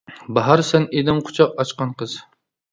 باھار سەن ئىدىڭ قۇچاق ئاچقان قىز.